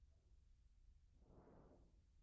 Sin embargo en el intento asesinan a un guarda.